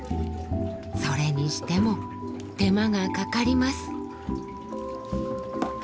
それにしても手間がかかります。